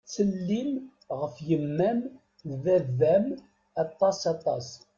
Ttsellim ɣef yemma-m d baba-m aṭas aṭas.